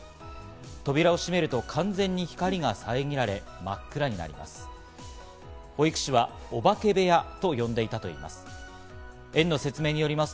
扉を閉めると完全に光が遮られ、真っ暗になります。